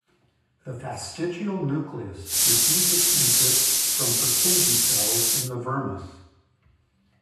The fastigial nucleus receives its input from Purkinje cells in the vermis.